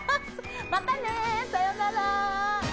またね、さようなら！